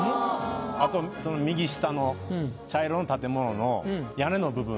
あと右下の茶色の建物の屋根の部分。